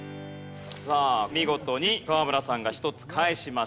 さあ見事に河村さんが１つ返しました。